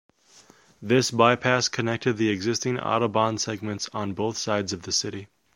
This bypass connected the existing Autobahn segments on both sides of the city.